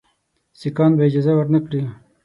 سیکهان به اجازه ورنه کړي.